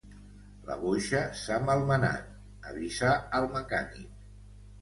La boixa s'ha malmenat, avisa al mecànic